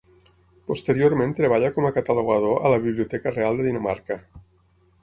Posteriorment treballa com a catalogador a la Biblioteca Real de Dinamarca.